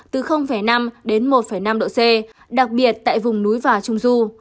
từ năm đến một năm độ c đặc biệt tại vùng núi và trung du